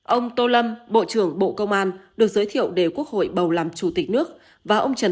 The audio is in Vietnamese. ông tô lâm bộ trưởng bộ công an được giới thiệu để quốc hội bầu làm chủ tịch nước và ông trần